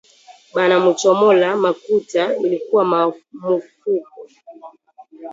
Bana muchomola makuta ilikuwa muufuko